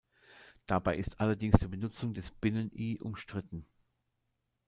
Dabei ist allerdings die Benutzung des Binnen-I umstritten.